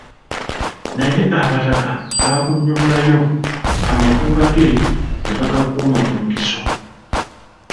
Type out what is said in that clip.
Naye abataka baagunnyululayo, amagumba ge ne bagakuuma mu nkiso.